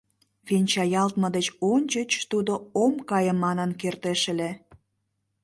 Венчаялтме деч ончыч тудо «ом кае» манын кертеш ыле.